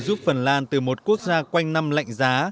giúp phần lan từ một quốc gia quanh năm lạnh giá